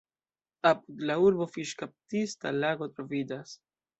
Apud la urbo fiŝkaptista lago troviĝas.